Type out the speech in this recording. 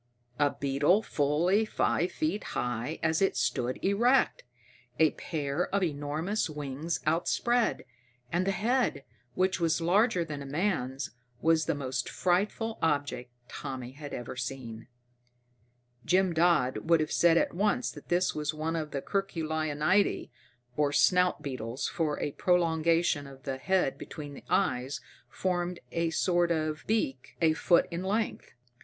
_ A beetle fully five feet high as it stood erect, a pair of enormous wings outspread. And the head, which was larger than a man's, was the most frightful object Tommy had ever seen. Jim Dodd would have said at once that this was one of the Curculionidae, or snout beetles, for a prolongation of the head between the eyes formed a sort of beak a foot in length.